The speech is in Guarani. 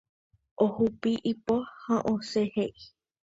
Ohupi ipo ha osẽ he'i.